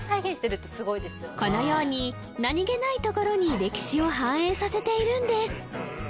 このように何げないところに歴史を反映させているんです